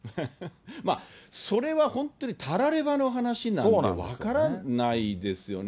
それは本当にたらればの話なんで、分からないですよね。